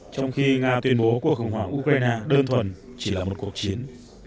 trong khi nga tuyên bố cuộc khủng hoảng ukraine đơn thuần chỉ là một cuộc chiến